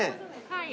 はい。